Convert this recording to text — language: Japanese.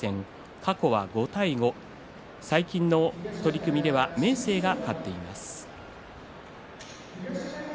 過去は５対５最近の取組では明生が勝っています。